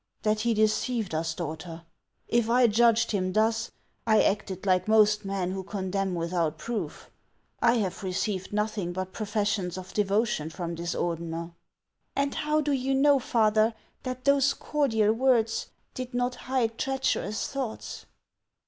" That he deceived us, daughter ! If I judged him thus, I acted like most men who condemn without proof. I have received nothing but professions of devotion from this Ordener." "And how do you know, father, that those cordial words did not hide treacherous thoughts